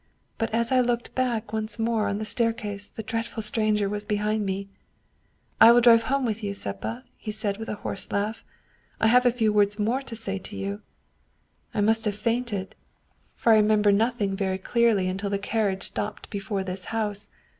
But as I looked back once more on the staircase the dreadful stranger was be hind me. ' I will drive home with you, Seppa/ he said with a hoarse laugh. ' I have a few words more to say to you/ I must have fainted, for I remember nothing very 109 German Mystery Stories clearly until the carriage stopped before this house.